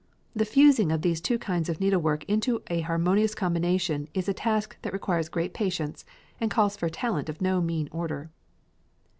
The fusing of these two kinds of needlework into a harmonious combination is a task that requires great patience and calls for talent of no mean order.